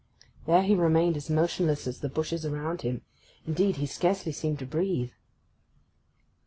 There he remained as motionless as the bushes around him; indeed, he scarcely seemed to breathe.